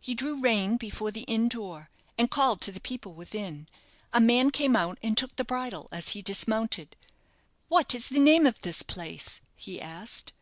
He drew rein before the inn door, and called to the people within. A man came out, and took the bridle as he dismounted. "What is the name of this place?" he asked.